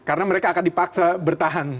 karena mereka akan dipaksa bertahan